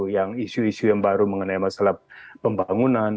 yang isu isu yang baru mengenai masalah pembangunan